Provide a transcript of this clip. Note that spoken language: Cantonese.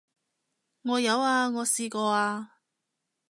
我有啊，我試過啊